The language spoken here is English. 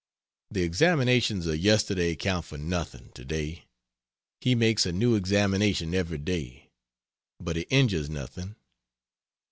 The examinations of yesterday count for nothing to day he makes a new examination every day. But he injures nothing.